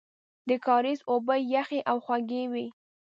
د کاریز اوبه یخې او خوږې وې.